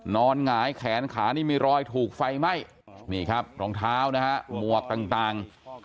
หงายแขนขานี่มีรอยถูกไฟไหม้นี่ครับรองเท้านะฮะหมวกต่าง